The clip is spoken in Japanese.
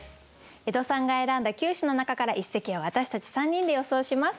江戸さんが選んだ９首の中から一席を私たち３人で予想します。